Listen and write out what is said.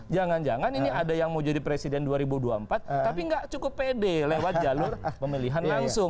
jangan jangan ini ada yang mau jadi presiden dua ribu dua puluh empat tapi nggak cukup pede lewat jalur pemilihan langsung